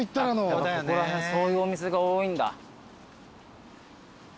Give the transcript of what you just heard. ここら辺そういうお店が多いんだ。